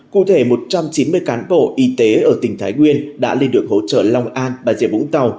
cụ thể một trăm chín mươi cán bộ y tế ở tỉnh thái nguyên đã lên được hỗ trợ long an bà diệp vũng tàu